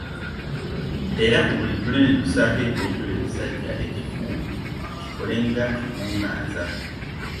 Era ku buli ttule ne tussaako ekiwojjolo ekisajja ekifu kikole nga kiguumaaza.